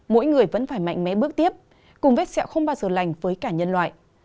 mỗi người vẫn phải mạnh mẽ bước tiếp cùng vết xẹo không bao giờ lành với cả nhân loại